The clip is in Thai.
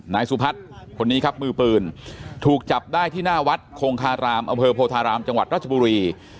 นายสุพัฒน์คนนี้ครับมือปืนถูกจับได้ที่หน้าวัดคงคารามอำเภอโพธารามจังหวัดราชบุรี